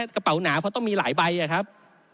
กระเป๋าหนาเพราะต้องมีหลายใบอะครับ